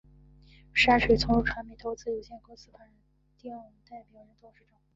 山水从容传媒投资有限公司法定代表人、董事长